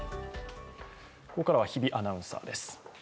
ここからは日比アナウンサーです。